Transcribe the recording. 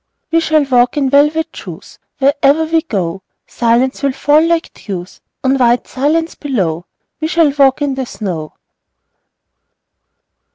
We shall walk in velvet shoes: Wherever we go Silence will fall like dews On white silence below. We shall walk in the snow.